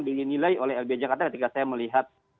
dinilai oleh lbh jakarta ketika saya melihat